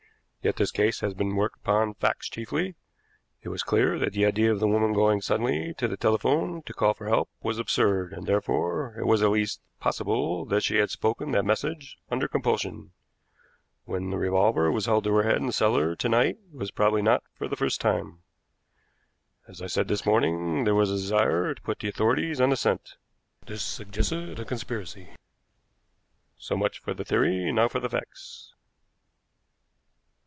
Yet this case has been worked upon facts chiefly. It was clear that the idea of the woman going suddenly to the telephone to call for help was absurd, and, therefore, it was at least possible that she had spoken that message under compulsion. When the revolver was held to her head in the cellar to night, it was probably not for the first time. As I said this morning, there was a desire to put the authorities on the scent. This suggested a conspiracy. So much for theory, now for facts."